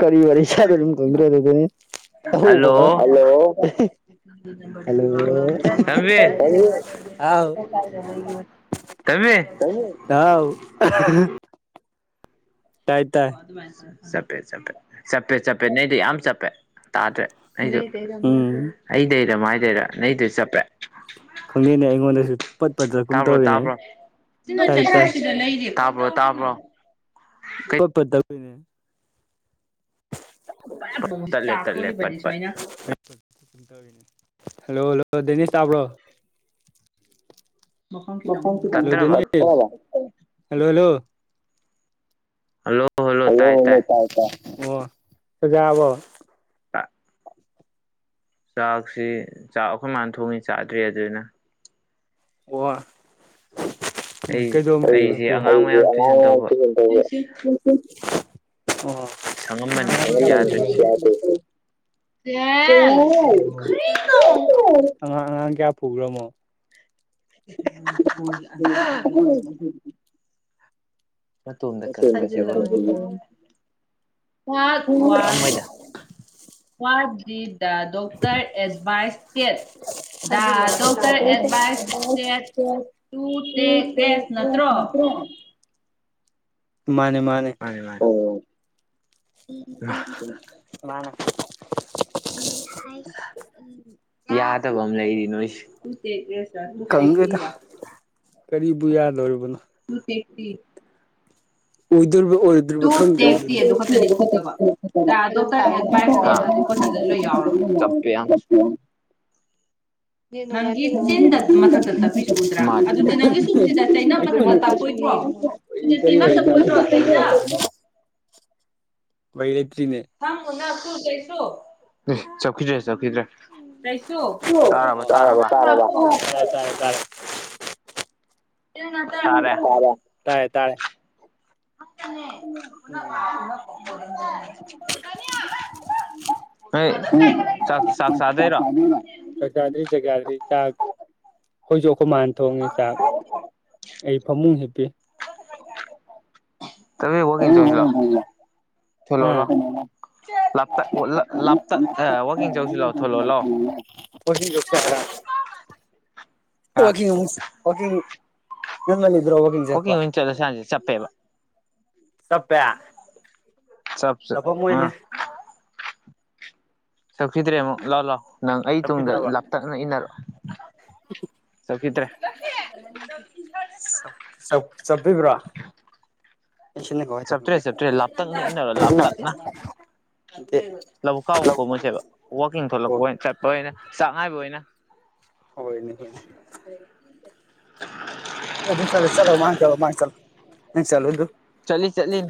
ꯀꯔꯤ ꯋꯥꯔꯤ ꯁꯟꯔꯨꯝ [unintelligible] ꯑꯍꯧꯕꯒ hello hello ꯇꯝꯕꯤ [unintelligible] ꯍꯥꯎ ꯇꯝꯕꯤ [unintelligible] ꯍꯥꯎ ꯇꯥꯏ ꯇꯥꯏ ꯆꯞꯄꯦ ꯆꯞꯄꯦ ꯆꯞꯄꯦ ꯆꯞꯄꯦ ꯅꯦꯠ ꯌꯥꯝ ꯆꯞꯄꯦ ꯇꯥꯗ꯭ꯔꯦ ꯑꯩꯗꯨ [unintelligible] ꯎꯝ [unintelligible] ꯑꯩꯗꯩꯩꯔ ꯃꯥꯏꯗꯩꯔ ꯅꯣꯏꯗꯨ ꯆꯞꯄꯦ ꯈꯪꯗꯦꯅꯦ ꯑꯩꯉꯣꯟꯗꯁꯨ ꯄꯠ ꯄꯠꯇ꯭ꯔꯒꯨꯝ ꯇꯥꯕ꯭ꯔꯣ ꯇꯧꯋꯤꯅꯦ ꯇꯥꯕ꯭ꯔꯣ ꯇꯥꯏ ꯇꯥꯏ [unintelligible] ꯇꯥꯕ꯭ꯔꯣ ꯇꯥꯕ꯭ꯔꯣ ꯄꯠ ꯄꯠ ꯇꯧꯋꯤꯅꯦ [unintelligible] ꯇꯠꯂꯦ ꯇꯠꯂꯦ ꯄꯠ ꯄꯠ ꯍꯜꯂꯣ ꯍꯜꯂꯣ ꯗꯦꯅꯤꯁ ꯇꯥꯕ꯭ꯔꯣ ꯍꯂꯣ ꯇꯠꯇ꯭ꯔꯕ Dennis hello hello hello hello hello ꯇꯥꯏ ꯇꯥꯏ ꯑꯣ ꯆꯥꯛ ꯆꯥꯔꯕꯣ ꯑ [unintelligible] ꯆꯥꯛꯁꯤ ꯆꯥꯛ ꯑꯩꯈꯣꯏ ꯃꯥꯅ ꯊꯣꯡꯉꯤ ꯆꯥꯗ꯭ꯔꯤ ꯑꯗꯨꯅ ꯑꯣ [unintelligible] ꯑꯩ ꯀꯤꯗꯧꯕ ꯑꯩꯁꯦ ꯆꯥꯛꯇꫭ ꯑꯩ ꯑꯉꯥꯡ ꯑꯩꯗꯤ ꯃꯌꯥꯝ ꯑꯉꯥꯡ ꯇꯨꯏꯁꯟ ꯃꯌꯥꯝ ꯇꯧꯕ ꯇꯨꯏꯁꯟ ꯇꯧꯒꯦ ꯁꯪꯉꯝꯕꯅꯤ [unintelligible] ꯑꯦ [unintelligible] ꯖꯦꯜ ꯀꯔꯤꯅꫭ [unintelligible] ꯑꯉꯥꯡ ꯑꯉꯥꯡ ꯀꯌꯥ ꯄꯨꯒ꯭ꯔꯃꯣ [unintelligible] [unintelligible] what did the doctor advice ꯇꯦꯠ ꯗꯥ ꯗꯣꯛꯇꯔ ꯑꯦꯗꯚꯥꯏꯁ ꯇꯦꯠ ꯇꯨ ꯇꯦꯛ ꯔꯦꯁ ꯅꯠꯇ꯭ꯔꯣ ꯃꯥꯅꯦ ꯃꯥꯅꯦ ꯃꯥꯅꯤ ꯃꯥꯅꯤ ꯑꯣ ꯃꯥꯅ [unintelligible] ꯌꯥꯗꯕ ꯃ ꯂꯩꯔꯤ ꯅꯣꯢꯁꯦ ꯈꯪꯗꯦꯗ ꯀꯔꯤꯕꯨ ꯌꯥꯗꯣꯔꯤꯕꯅꯣ ꯇꯨꯇꯦꯛꯇꯤ ꯑꯣꯢꯗꯣꯢꯔꯤꯕ ꯑꯣꯢ ꯗ꯭ꯔꯤꯕ ꯇꯨ ꯈꯪꯗꯦ ꯇꯦꯛ ꯇꯤ ꯑꯗꯨ ꯈꯛꯇꯅꯦ ꯎꯗꯕ ꯗ ꯇꯦꯠ ꯑꯗꯨ ꯀꯣꯏꯁꯟꯗ ꯂꯣꯏ [unintelligible] ꯌꯥꯎꯔꯕꯅꯦ [unintelligible] [unintelligible] ꯃꯊꯛꯇ ꯇꯞꯄꯤꯁꯨ ꯎꯗ꯭ꯔꯥ ꯑꯗꯨꯗꯤ ꯅꯪꯒꯤ ꯁꯨꯝꯁꯤꯗ ꯆꯩꯅꯕ ꯑꯩ ꯁꯤꯗꯁꯤ ꯀꯔꯤ ꯋꯥꯔꯤ ꯅꯪꯅ [unintelligible] ꯄꯣꯏꯗ꯭ꯔꯣ ꯆꯩꯅ ꯃꯩꯂꯩꯇ꯭ꯔꯤꯅꯦ [unintelligible] ꯆꯞꯈꯤꯗ꯭ꯔꯦ ꯆꯞꯈꯤꯗ꯭ꯔꯦ ꯇꯥꯔꯕ ꯇꯥꯔꯕ ꯇꯤꯜ ꯉꯥꯇꯪ ꯇꯥꯔꯦ ꯇꯥꯔꯦ ꯇꯥꯔꯦ [unintelligible] ꯎꯝ ꯅꯣꯏ ꯎꯝ ꯆꯥꯛ ꯆꯥ ꯆꯥꯛ ꯆꯗꯩꯔꯣ ꯆꯥꯛ ꯆꯥꯗ꯭ꯔꯤ ꯆꯥꯛ ꯆꯥꯗ꯭ꯔꯤ ꯆꯥꯛ ꯑꯩꯈꯣꯏꯖꯨ ꯑꯩꯈꯣꯏ ꯃꯥꯅꯥ ꯊꯣꯡꯉꯦ ꯆꯥꯛ ꯑꯩ ꯐꯃꯨꯡ ꯍꯤꯞꯄꯤ [unintelligible] ꯋꯥꯛꯀꯤꯡ ꯆꯠꯂꯨꯖꯤ ꯂꯥ [unintelligible] ꯂꯥꯞꯇꯛ ꯎꯠꯂ ꯂꯥꯞꯇꯛ ꯑ ꯋꯥꯛꯀꯤꯡ ꯆꯧꯁꯤ ꯂꯥꯛꯑꯣ ꯊꯣꯛꯂꯛꯑꯣ ꯂꯑꯣ ꯋꯥꯛ ꯆꯧꯁꯤ ꯍꯥꯏꯔ ꯑꯥ ꯋꯥꯛꯀꯤꯡ ꯎ ꯋꯥꯛꯀꯤꯡ [unintelligible] [unintelligible] ꯍꯥꯢꯖꯦ ꯆꯞꯄꯦꯕ ꯆꯞꯄꯦ ꯆꯞꯁꯨ ꯇꯄꯝꯃꯣꯏꯅꯦ ꯑꯥ ꯆꯞꯈꯤꯗ꯭ꯔꯦ ꯑꯃꯨꯛ ꯂꯥꯎ ꯂꯥꯎ ꯅꯪ ꯑꯩ ꯇꯨꯡꯗ ꯆꯠꯈꯤꯗ꯭ꯔꯕ ꯂꯥꯞꯇꯛꯅ ꯏꯟꯅꯔꯛꯑꯣ ꯆꯞꯈꯤꯗ꯭ꯔꯦ ꯆꯞ ꯆꯛ ꯆꯞꯄꯤꯕ꯭ꯔꯣ ꯆꯥꯇ꯭ꯔꯦꯠ ꯆꯥꯇ꯭ꯔꯦꯠ ꯂꯥꯞꯇꯛꯅ ꯏꯟꯅꯔꯣ [unintelligible] ꯂꯕꯨꯛ ꯀꯥꯎ ꯀꯨꯝꯃꯨꯁꯦꯕ ꯋꯥꯛꯀꯤꯡ ꯑꯣ ꯊꯣꯛꯂꯛꯄ ꯑꯣꯏꯅ ꯆꯠꯄ ꯑꯣꯏꯅ ꯆꯥꯛ ꯉꯥꯏꯕ ꯑꯣꯏꯅ ꯍꯣꯏꯅꯦ ꯍꯣꯏꯅꯦ ꯑꯗꯨ ꯆꯂ ꯆꯂꯣ ꯃꯥꯡ ꯆꯠꯂꯣ ꯃꯥꯡ ꯆꯠꯂꯣ ꯅꯪ ꯆꯠꯂꯣ ꯗꯨ ꯆꯠꯂꯤ ꯆꯠꯂꯤ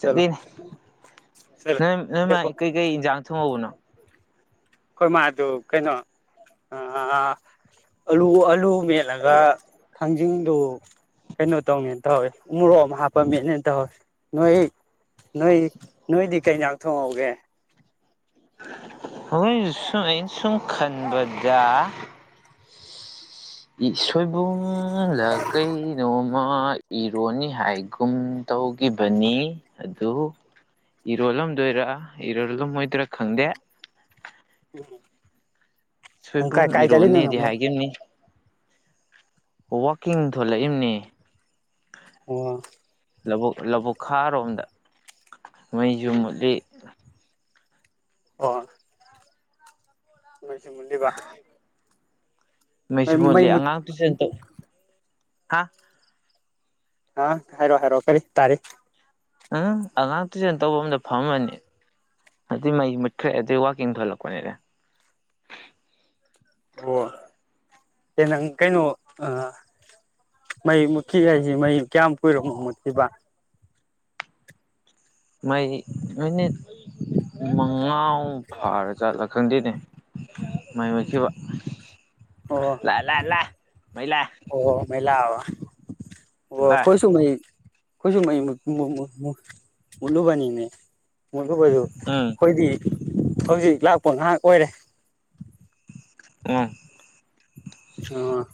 ꯆꯠꯂꯣ ꯆꯠꯂꯣ ꯅꯪ ꯅꯣꯏꯃ ꯂꯦꯞꯄꯣ [unintelligible] ꯀꯩ ꯏꯟꯖꯥꯡ ꯊꯨꯡꯍꯧꯕꯅꯣ ꯑꯩꯈꯣꯏ ꯃꯥꯗꯨ ꯀꯩꯅꯣ ꯑ ꯑꯂꯨ ꯑꯂꯨ ꯃꯦꯠ ꯂꯒꯥ ꯊꯥꯡꯖꯤꯡꯗꯨ ꯀꯩꯅꯣ ꯇꯧꯅꯤꯅ ꯇꯧꯍꯧꯌꯦ ꯃꯣꯔꯣꯛ ꯍꯥꯞꯄ ꯃꯠꯅꯤꯅ ꯇꯧꯍꯧꯋꯦ ꯅꯣꯏ ꯅꯣꯏ ꯅꯣꯏꯗꯤ ꯀꯩ ꯍꯦꯟꯖꯥꯡ ꯊꯣꯡꯍꯧꯒꯦ ꯍꯣꯏ ꯁꯨꯝ ꯑꯩꯅ ꯁꯨꯝ ꯈꯟꯕꯗ ꯏꯁꯣꯏꯕꯨꯝꯂ ꯀꯩꯅꯣꯃ ꯏꯔꯣꯅꯤ ꯍꯥꯏꯒꯨꯝ ꯇꯧꯒꯤꯕꯅꯤ ꯑꯗꯨ ꯏꯔꯣꯜꯂꯝꯗꯣꯏꯔꯥ ꯏꯔꯣꯜꯂꯝꯃꯣꯏꯗꯣꯏꯔꯥ ꯈꯪꯗꯦ ꯅꯪ ꯀꯥꯏ ꯀꯥꯏ ꯆꯠꯂꯤꯅꯣ ꯅꯪꯕꯣ [unintelligible] ꯅꯤ ꯋꯥꯛꯀꯤꯡ ꯊꯣꯂꯛꯏꯝꯅꯤ ꯑꯣ ꯂ ꯂꯧꯕꯨꯛ ꯈꯥꯔꯣꯝꯗ ꯃꯩꯁꯨ ꯑꯣ ꯃꯨꯠꯂꯤ ꯑꯣ ꯃꯁꯤꯃꯂꯤꯕ ꯃꯩꯁꯨ ꯃꯨꯠꯂꯤ ꯃꯨꯠ ꯑꯉꯥꯡꯗꯨꯨꯁꯨꯟꯇ ꯑ ꯍꯥꯏꯔꯣꯑꯣ ꯍꯥꯏꯔꯣꯑꯣ ꯀꯔꯤ ꯇꯥꯔꯤ ꯎꯝ ꯑꯉꯥꯡ ꯇꯨꯏꯁꯟ ꯇꯧꯕ ꯑ ꯑꯃꯗ ꯐꯝꯃꯅꯤ ꯑꯗꯨꯗꯤ ꯃꯩ ꯃꯨꯠꯈ꯭ꯔꯦ ꯑꯗꯨꯩ ꯋꯥꯥꯛꯀꯤꯡ ꯊꯜꯂꯛꯄꯅꯦ ꯑꯣ ꯅꯪ ꯀꯩꯅꯣ ꯑ ꯃꯩ ꯃꯨꯠꯈꯤ ꯍꯥꯏꯁꯤ ꯃꯩ ꯀꯌꯥꯝ ꯀꯨꯏꯔꯣꯃꯣ ꯃꯨꯠꯈꯤꯕ ꯃꯩ ꯃꯤꯅꯤꯠ ꯃꯉꯥ ꯐꯥꯔ ꯆꯠꯂꯀꯪꯗꯅꯦ ꯃꯥꯏ ꯑꯣꯏꯈꯤꯕ ꯑꯣ ꯂꯥꯛ ꯂꯥꯛꯑ ꯂꯥꯛ ꯃꯩ ꯂꯥꯛꯑ ꯑꯣ ꯃ ꯂ ꯑꯣ ꯂꯥꯛꯑꯦ ꯀꯣꯏꯁꯨ ꯃꯣꯏ ꯑꯩꯈꯣꯏꯁꯨ ꯃꯩ ꯃꯨꯠꯂꯨꯕꯅꯤꯅꯦ ꯃꯨꯠꯂꯨꯕꯗꯨ ꯎꯝ ꯑꯩꯈꯣꯏꯗꯤ ꯍꯧꯖꯤꯛ ꯂꯥꯛꯄ ꯉꯥꯏꯍꯥꯛ ꯑꯣꯏꯔꯦ ꯑ ꯑ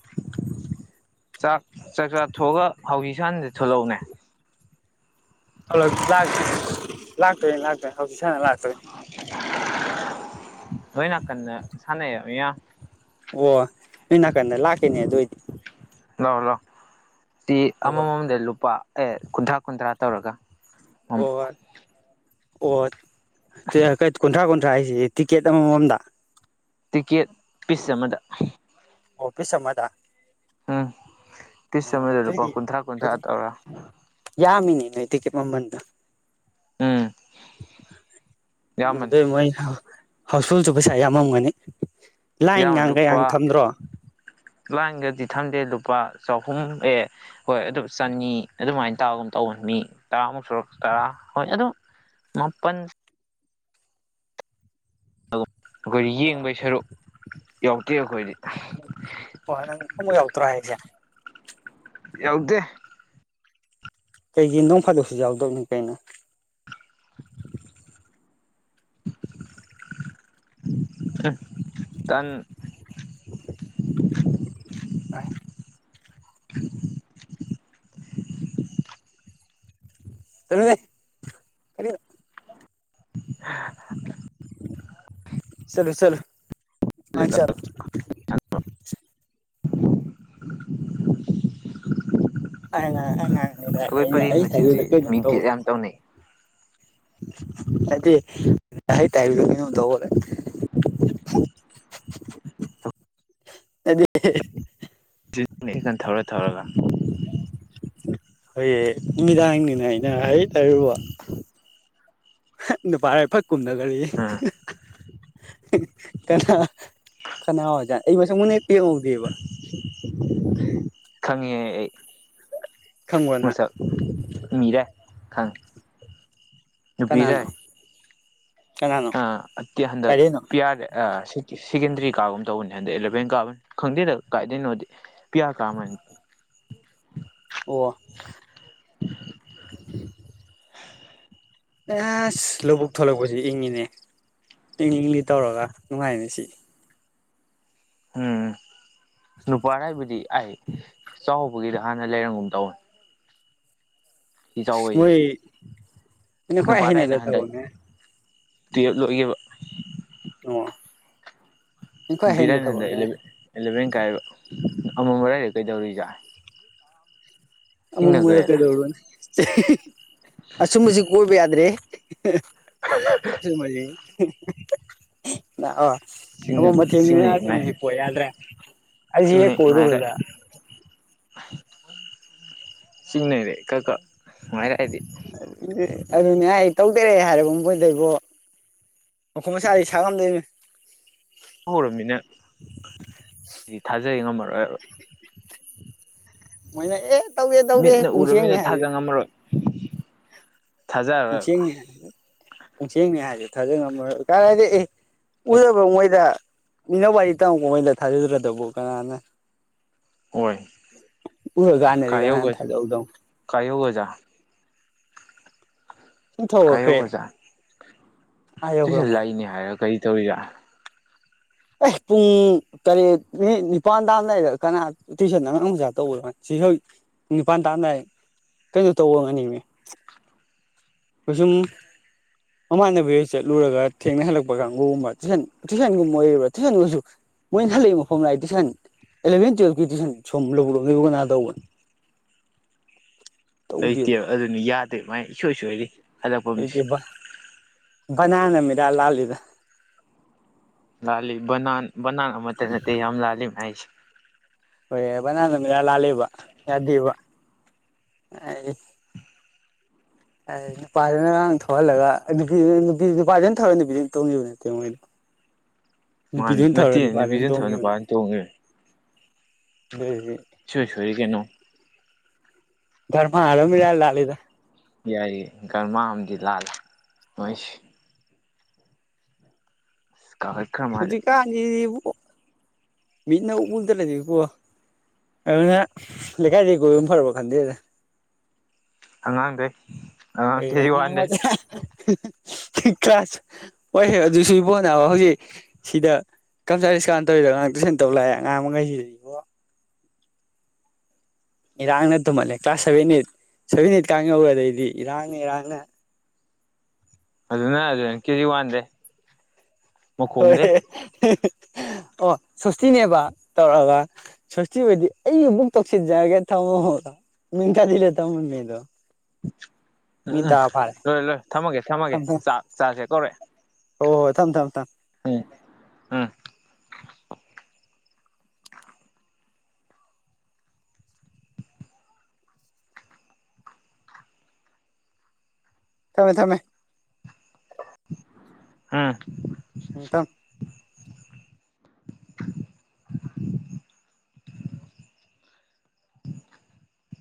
ꯆꯥꯛ ꯆꯥꯛꯆꯥꯥ ꯊꯣꯛꯑꯒ ꯍꯧꯖꯤꯛ ꯁꯅꯗ ꯊꯣꯛꯂꯛꯎꯅꯦ ꯍꯜꯂꯇꯦ ꯂꯥꯛꯇꯣꯏ ꯂꯥꯛꯇꯣꯏ ꯍꯧꯖꯤꯛ ꯁꯥꯟꯅ ꯂꯥꯛꯇꯣꯏ ꯂꯣꯏ ꯅꯥꯀꯟꯅ ꯁꯥꯟꯅꯩ ꯏ ꯑꯣ ꯅꯣꯏ ꯅꯥꯀꯟꯗ ꯂꯥꯛꯀꯅꯦ ꯑꯗꯨ ꯑꯣꯏꯏꯗꯤ ꯂꯥꯛꯑꯣ ꯂꯥꯛꯑꯣ ꯆ ꯍꯣꯏ ꯑꯃꯃꯝꯗ ꯂꯨꯄꯥ ꯑꯦ ꯀꯨꯟꯊ꯭ꯔꯥ ꯀꯨꯟꯊ꯭ꯔꯥ ꯇꯧꯔꯒ ꯑ ꯑꯣ ꯑꯣ ꯀꯨꯟꯊ꯭ꯔꯥ ꯀꯨꯟꯊ꯭ꯔꯥ ꯍꯥꯏꯁꯤꯦ ꯇꯤꯛꯀꯦꯠ ꯑꯃꯃꯝꯗ ꯇꯤꯀꯦꯠ ꯄꯤꯁ ꯑꯃꯗ ꯑꯣꯐꯤꯁ ꯑꯃꯗ ꯎꯝ ꯇꯤꯁ ꯑꯣ ꯆꯃꯗ ꯂꯨꯄꯥ ꯑꯗꯨꯏꯗꯤ ꯀꯨꯟꯊ꯭ꯔꯥ ꯑꯗꯨ ꯀꯨꯟꯊ꯭ꯔꯥ ꯇꯧꯔꯥ ꯌꯥꯝꯃꯤꯅꯦ ꯅꯣꯏ ꯇꯤꯀꯦꯠ ꯃꯃꯟꯗ ꯎꯝ ꯌꯥꯝꯕꯅꯤ ꯑꯗꯨꯗ ꯃ ꯍꯥꯎꯁꯐꯨꯜꯁꯨ ꯄꯩꯁꯥ ꯌꯥꯝꯃꯝꯒꯅꯤ ꯂꯥꯏꯟꯒꯥꯡꯒꯒꯥꯡ ꯊꯝꯗ꯭ꯔꯣ ꯂꯥꯡꯒꯗꯤ ꯊꯝꯗꯦ ꯂꯨꯄꯥ ꯆꯍꯨꯝ ꯑꯦ ꯍꯣꯏ ꯑꯗꯨꯝ ꯆꯅꯤ ꯑꯗꯨꯃꯥꯏꯅ ꯇꯧꯔꯒ ꯑꯗꯨꯝ ꯇꯧꯕꯅꯤ ꯃꯤ ꯇꯔꯥꯃꯨꯛ ꯁꯨꯔꯛ ꯇꯔꯥ ꯍꯣꯏ ꯑꯗꯨꯝ ꯃꯥꯄꯟ ꯑꯩꯈꯣꯏꯗꯤ ꯑꯣ ꯌꯦꯡꯕꯩ ꯁꯔꯨꯛ ꯌꯥꯎꯗꯦ ꯑꯩꯈꯣꯏꯗꯤ ꯍꯣꯏ ꯅꯪ ꯑꯃꯨꯛ ꯌꯥꯎꯗ꯭ꯔꯣ ꯍꯥꯏꯔꯤꯦ ꯌꯥꯎꯗꯦ ꯀꯩ ꯌꯦ ꯅꯣꯡ ꯐꯥꯗꯣꯛꯁꯨ ꯌꯥꯎꯗꯕꯅꯤ ꯀꯩꯅꯣ ꯇꯥꯟ [inaudible] ꯇꯥꯏ ꯊꯃꯤꯗꯦ ꯀꯔꯤ [unintelligible] ꯆꯂꯣ ꯆꯂ ꯑ ꯆꯂ [unintelligible] ꯑꯉꯉ ꯑꯩꯈꯣꯏ ꯄꯔꯦꯡ ꯑꯩ ꯊꯀ ꯃꯆꯤꯟꯁꯦ ꯃꯤ ꯗꯦꯠ ꯌꯥꯝ ꯇꯧꯅꯩ ꯍꯥꯏꯗꯤ ꯇ ꯎꯝ ꯑꯗꯨꯗꯤ ꯁꯤꯒꯟ ꯊꯧꯔ ꯊꯧꯔꯒ ꯍꯣꯏꯌꯦ ꯅꯨꯃꯤꯗꯥꯡꯅꯤꯅ ꯑꯩꯅ ꯍꯥꯏ ꯇꯔꯨꯕ ꯅꯨꯄꯥꯔ ꯐꯛ ꯀꯨꯝꯗꯕ ꯀꯔꯤ ꯑꯥ [unintelligible] ꯀꯅꯥ ꯀꯅꯥ ꯑꯣꯏꯖꯥꯠ ꯑꯩ ꯃꯁꯥꯛ ꯃꯨꯟꯅꯦ ꯍꯦꯍꯧꯗꯦꯕ ꯈꯪꯉꯦ ꯑꯩ ꯈꯪꯕ꯭ꯔ ꯅꯪ ꯃꯁꯛ ꯃꯤꯔꯦ ꯈꯪ ꯅꯨꯄꯤꯔꯦ ꯀꯅꯥꯅꯣ ꯀꯅꯥꯅꯣ ꯑ ꯑꯠꯇꯤ ꯍꯟꯗꯛ ꯀꯥꯏꯗꯩꯅꯣ ꯄꯤꯌꯥꯔꯦ ꯁꯤ ꯁꯦꯀꯦꯟꯗꯔꯤ ꯀꯥꯒꯨꯝ ꯇꯧꯕꯅꯦ ꯍꯟꯗꯛ ꯑꯦꯂꯚꯦꯟ ꯀꯥꯕꯅꯤ ꯈꯪꯗꯦꯗ ꯀꯥꯏꯗꯣꯏꯅꯣꯗꯤ ꯄꯤꯌꯥꯔ ꯀꯥꯕꯅꯤ ꯑꯣ ꯑꯦꯁ ꯂꯧꯕꯨꯛ ꯊꯂꯛꯄꯁꯤ ꯏꯪꯉꯤꯅꯦ ꯏꯪ ꯏꯪꯂꯤ ꯇꯧꯔꯒ ꯅꯨꯡꯉꯥꯏꯅꯤ ꯉꯁꯤ ꯎꯝ ꯅꯨꯄꯥ ꯍꯥꯏꯕꯗꯤ ꯑꯩ ꯆꯥꯎꯕꯒꯤꯗ ꯍꯥꯟꯅ ꯂꯩꯔꯝꯒꯨꯝ ꯇꯧꯅꯤ ꯏꯖꯥꯎꯕꯁꯤꯗ ꯃꯣꯏ ꯑꯩꯅ ꯈ꯭ꯋꯥꯏ ꯍꯩꯅꯗ ꯅꯨꯄꯥꯗꯩꯅ ꯍꯟꯗꯛ ꯊꯕꯛꯅꯦ ꯇꯨꯌꯦꯜꯕ ꯂꯣꯏꯈꯤꯕ ꯑꯣ ꯑꯩꯈꯣꯏ ꯕꯤꯔꯟ ꯍꯩꯅ ꯍꯟꯗꯛ ꯊꯕꯛꯅꯦ ꯑꯦꯂꯚꯦꯟ ꯑꯦꯂꯚꯦꯟ ꯀꯥꯏꯕ ꯑꯃꯃꯥꯏꯗ ꯀꯩꯗꯧꯔꯤꯖꯥ ꯑꯃꯝꯃꯗ ꯆꯤꯡꯅꯈ꯭ꯔꯦꯗ ꯀꯩꯗꯧꯔꯣꯅꯤ ꯑꯁꯨꯝꯕꯁꯤ ꯀꯣꯏꯕ ꯌꯥꯗ꯭ꯔꯦ [unintelligible] [unintelligible] ꯆꯤꯡꯅ ꯑꯃꯝ ꯑꯊꯦꯡꯅꯤꯅꯦ ꯆꯤꯡꯅꯩ ꯃꯥꯏ ꯑꯗꯨꯃꯗꯤ ꯀꯣꯏ ꯌꯥꯗ꯭ꯔꯦ ꯑꯩꯁꯤ ꯍꯦꯛ ꯆꯤꯡꯅꯩ ꯃꯥꯏꯔꯥꯏ ꯀꯣꯏꯔꯨꯕꯗ ꯆꯤꯡꯅꯩꯔꯦ ꯀꯛꯀ ꯅꯨꯉꯥꯏꯔꯩ ꯑꯩꯗꯤ ꯑꯗꯨꯅꯦ ꯍꯥꯏ ꯇꯧꯗꯦꯔ ꯍꯥꯏꯔꯕ ꯃꯣꯏꯗꯩꯕꯣ ꯃꯈꯨꯠ ꯃꯁꯥꯗꯤ ꯁꯥꯡꯉꯝꯗꯣꯏꯅꯦ ꯍꯧꯔꯝꯃꯤꯅ ꯍꯥꯏꯗꯤ ꯊꯥꯖꯩ ꯉꯝꯃꯔꯣꯏꯕ ꯃꯣꯏꯅ ꯑꯦ ꯇꯧꯗꯦ ꯇꯧꯗꯦ ꯃꯤꯠꯅ ꯎꯔꯃꯤꯅ ꯄꯨꯡꯁꯦꯡꯅꯦ ꯍꯥꯏꯁꯨ ꯊꯥꯖ [inaudible] ꯊꯥꯖꯔꯔꯣꯏꯕ ꯄꯨꯡꯁꯦꯡꯅꯦ ꯄꯨꯡꯁꯦꯡꯅꯦ ꯍꯥꯏꯁꯨ ꯊꯥꯖꯕ ꯉꯝꯃꯔꯣꯏ ꯀꯔꯥꯏꯗꯩ ꯑꯦ ꯎꯔꯕ ꯃꯣꯏꯗ ꯃꯤꯅ ꯋꯥꯔꯤ ꯇꯝꯃꯛꯄ ꯃꯣꯏꯗ ꯊꯥꯖꯗ꯭ꯔꯗꯕꯨ ꯀꯅꯥꯅ ꯍꯣꯏ ꯎꯔꯥ ꯀꯥꯟꯗꯗꯤ ꯀꯥꯅ ꯊꯥꯖꯗꯧꯅꯣ ꯀꯥꯏꯌꯣ ꯑꯣꯖꯥ ꯄꯨꯊꯧꯒꯠꯈꯦꯔ ꯀꯥꯏꯌꯧꯒꯖꯥ ꯇꯨꯏꯁꯟ ꯃꯥꯜꯂꯦ ꯂꯥꯛꯏꯅꯦ ꯍꯥꯏꯔꯒ ꯀꯔꯤ ꯇꯧꯔꯤꯒ ꯑꯦ ꯄꯨꯡ ꯇꯔꯦꯠ ꯃꯤꯅꯤꯠ ꯅꯤꯄꯥꯟ ꯇꯥꯝꯗꯥꯏꯗ ꯀꯅꯥ ꯇꯨꯏꯁꯟ ꯑꯉꯥꯡ ꯃꯆꯥ ꯇꯧꯕꯣ ꯁꯤꯁꯨꯖꯤꯛ ꯄꯨꯡ ꯅꯤꯄꯥꯟ ꯇꯥꯟꯗꯥꯥꯏ ꯀꯩꯅꯣ ꯇꯧꯕ ꯑꯤꯏꯔꯝꯅꯤꯅꯦ ꯀꯣꯏꯁꯨꯝ ꯃꯃꯥꯟꯅꯕꯤꯗ ꯆꯠꯂꯨꯔꯒ ꯊꯦꯡꯅ ꯍꯜꯂꯛꯄ ꯀꯥꯡꯒꯨꯕ ꯇꯨꯏꯁꯟ ꯇꯨꯏꯟꯒꯨꯝ ꯃꯣꯏ ꯇꯨꯁꯟꯅꯁꯨ ꯃꯣꯏꯅ ꯍꯜꯂꯛꯏ ꯃꯐꯝ ꯂꯥꯛꯏ ꯇꯨꯏꯁꯟ ꯑꯦꯂꯚꯦꯟ ꯇꯨꯋꯦꯜꯞꯀꯤ ꯇꯨꯏꯁꯟ ꯁꯣꯝ ꯂꯧꯔꯕ ꯀꯅꯥ ꯇꯧꯕꯅ ꯇꯧꯗꯦꯗ ꯂꯩꯇꯦꯕ ꯑꯗꯨꯅ ꯌꯥꯗꯦ ꯃꯥꯏ ꯁꯣꯏ ꯁꯣꯏꯔꯤ ꯍꯜꯂꯛꯐꯝꯁꯦ ꯂꯩꯇꯦꯕ ꯕꯅꯥꯟ ꯑꯃ ꯏꯂꯥꯟ ꯂꯥꯜꯂꯤꯕ ꯂꯥꯟꯂꯤꯕ ꯕꯅꯥꯟ ꯃꯠꯇ ꯅꯠꯇ ꯌꯥꯝ ꯂꯥꯟꯂꯤ ꯃꯥꯏꯁꯦ ꯍꯣꯏ ꯕꯅꯥꯞ ꯑꯃ ꯐꯂꯥꯜ ꯂꯥꯟꯂꯤꯕ ꯌꯥꯗꯦꯕ ꯅꯨꯄꯥꯗꯅ ꯉꯔꯥꯡ ꯊꯧꯍꯜꯂꯒ ꯅꯨꯄꯤ ꯅꯨꯄꯥꯗꯨꯅ ꯊꯧ ꯅꯨꯄꯤꯗꯨꯅ ꯇꯧꯖꯕ ꯅꯠꯇꯦ ꯃꯣꯏꯗ ꯃꯥꯟꯅꯦ ꯅꯠꯇꯦ ꯅꯨꯄꯥꯗꯨꯅ ꯅꯨꯄꯤꯗꯨꯅ ꯊꯧꯔ ꯇꯣꯡꯈꯤꯕꯅꯤ ꯅꯨꯄꯥꯅ ꯇꯣꯡꯉꯦ ꯑꯗꯨꯏꯗꯤ ꯏꯁꯣꯏ ꯁꯣꯏ ꯀꯩꯅꯣ ꯒꯔꯃꯥꯔ ꯃꯥ ꯏꯂꯥꯜ ꯂꯥꯜꯂꯤꯗ ꯌꯥ ꯌꯥꯏꯌꯦ ꯒꯔꯃꯥ ꯑꯃꯗꯤ ꯂꯥꯜꯂꯦ ꯃꯣꯏꯁꯦ ꯀꯥꯈꯠꯈ꯭ꯔ ꯃꯥꯜꯂꯦ ꯁꯨꯖꯤꯛꯀꯥꯟ ꯁꯤꯗꯤꯕꯣ ꯃꯤꯠꯅ ꯎꯗꯔꯗꯤꯀꯣ ꯑꯗꯨꯅ ꯂꯩꯀꯥꯏꯗꯒꯤ ꯀꯣꯏꯕ ꯐꯔꯕ ꯈꯟꯖꯤꯟꯂꯛꯑꯦ ꯑꯉꯡꯗꯩ ꯑꯩꯗꯤ ꯑꯉꯥꯡ ꯃꯆꯥ ꯀ꯭ꯂꯥꯁ ꯍꯣꯏꯍꯦ ꯑꯗꯨꯁꯨ ꯏꯕꯣꯅꯦꯕ ꯍꯧꯖꯤꯛ ꯁꯤꯗ ꯀꯝꯆ ꯏꯁꯀꯥꯟ ꯇꯧꯏꯗꯣ ꯑꯉꯥꯡ ꯇꯨꯏꯁꯟ ꯇꯧꯕ ꯂꯥꯛꯑꯦ ꯑꯉꯥꯡ ꯑꯃꯉꯩꯁꯤꯗ ꯌꯣ ꯏꯔꯥꯡꯅ ꯇꯨꯝꯍꯜꯂꯦ class seven eight seven eight ꯀꯥꯡ ꯌꯧꯒꯔꯗꯤꯗꯤ ꯏꯔꯥꯡꯅ ꯏꯔꯥꯡꯅ ꯑꯗꯨꯅ ꯑꯗꯨ ꯀꯦꯖꯤ ꯋꯥꯟꯗꯦ ꯍꯣꯏꯍ ꯑꯣ ꯁꯣꯁꯇꯤꯅꯦꯕ ꯇꯧꯔꯑꯒ ꯁꯥꯔꯁꯤ ꯑꯣꯏꯗꯤ ꯑꯩꯅ ꯑꯗꯨꯝ ꯇꯧꯁꯤꯟꯖꯔꯒꯦ ꯊꯝꯃꯣꯗꯣ [unintelligible] ꯎꯝ ꯃꯤ ꯎꯝ ꯇꯔꯥ ꯐꯥꯔꯦ ꯂꯣꯏꯔꯦ ꯂꯣꯏꯔꯦ ꯊꯝꯃꯒꯦ ꯊꯝꯃꯒꯦ ꯆꯥꯛ ꯆꯥꯛꯁꯦ ꯀꯧꯔꯑꯦ꯫ ꯍꯣꯏ ꯍꯣꯏ ꯊꯝ ꯊꯝ ꯊꯝ ꯎꯝ ꯊꯝꯃꯦ ꯊꯝꯃꯦ꯫ ꯑꯝ ꯊꯝ